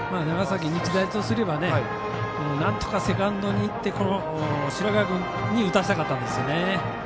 長崎日大とすればなんとかセカンドに行って白川君に打たせたかったんですよね。